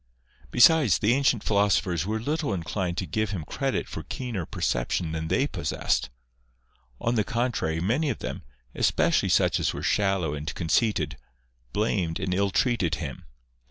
Besides, the ancient philosophers were little inclined to give him credit for keener perception than they pos sessed ; on the contrary, many of them, especially such as were shallow and conceited, blamed and ill treated him.